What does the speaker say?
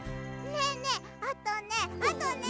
ねえねえあとねあとね。